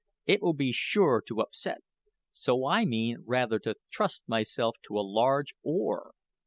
It will be sure to upset, so I mean rather to trust myself to a large oar.